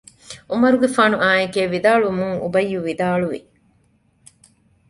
ޢުމަރުގެފާނު އާނއެކޭ ވިދާޅުވުމުން އުބައްޔު ވިދާޅުވި